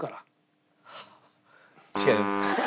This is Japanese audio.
違います。